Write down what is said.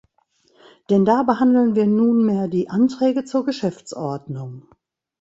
Denn da behandeln wir nunmehr die Anträge zur Geschäftsordnung.